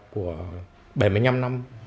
của bảy mươi năm năm